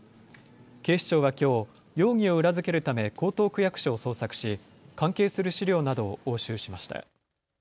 警視庁はきょう容疑を裏付けるため江東区役所を捜索し関係する資料などを押収しました。